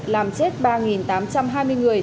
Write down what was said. làm chết ba tám trăm hai mươi người